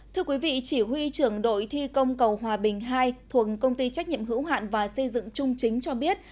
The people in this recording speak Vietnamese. thưa quý vị chỉ huy trưởng đội thi công cầu hòa bình hai thuộc công ty trách nhiệm hữu hạn và xây dựng trung chính cho biết